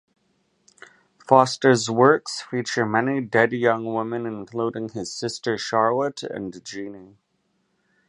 Foster's works feature many dead young women, including his sister Charlotte and "Jeanie".